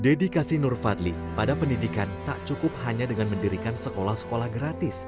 dedikasi nur fadli pada pendidikan tak cukup hanya dengan mendirikan sekolah sekolah gratis